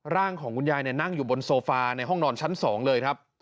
ร่างของคุณยายนั่งอยู่บนโซฟาในห้องนอนชั้น๒เลยครับ